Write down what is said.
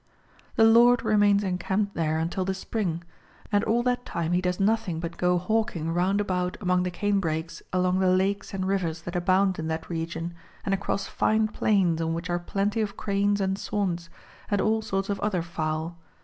The Lord remains encamped there until the spring, 406 MARCO POLO Book II. and all that time he does nothing but go hawking round about amonp the canebrakes alono the lakes and rivers that abound in that region, and across fine plains on which are plenty of cranes and swans, and all sorts of other fowl.